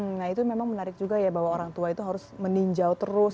nah itu memang menarik juga ya bahwa orang tua itu harus meninjau terus